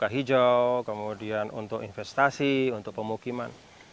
kemudian untuk perusahaan kemudian untuk investasi untuk pemukiman